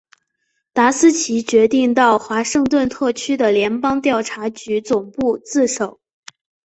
达斯奇决定到华盛顿特区的联邦调查局总部自首。